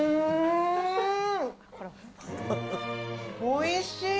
おいしい！